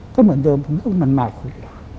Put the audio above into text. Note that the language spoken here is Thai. ก็เหมือนเดิมผมไม่ต้องมันมาคุย